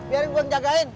biarin gue ngejagain